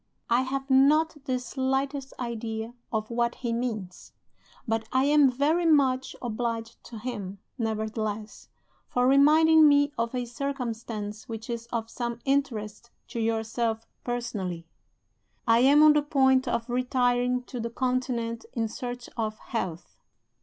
I have not the slightest idea of what he means; but I am very much obliged to him, nevertheless, for reminding me of a circumstance which is of some interest to yourself personally. "I am on the point of retiring to the Continent in search of health.